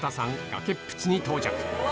崖っぷちに到着